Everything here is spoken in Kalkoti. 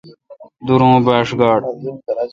دور اوں با ݭ گاڑ۔